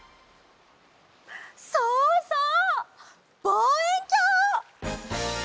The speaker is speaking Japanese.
そうそうぼうえんきょう！